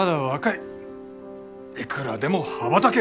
いくらでも羽ばたける！